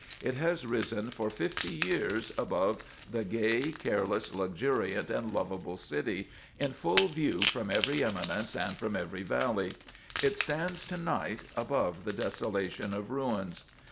It has risen for fifty years above the gay, careless, luxuriant and lovable city, in full view from every eminence and from every valley. It stands tonight, above the desolation of ruins.